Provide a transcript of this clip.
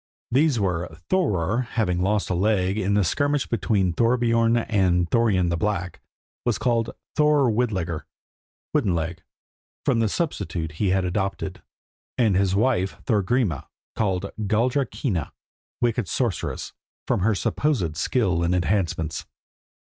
These were Thorer, who, having lost a leg in the skirmish between Thorbiorn and Thorarin the Black, was called Thorer Widlegr (wooden leg), from the substitute he had adopted; and his wife, Thorgrima, called Galldra Kinna (wicked sorceress), from her supposed skill in enchantments.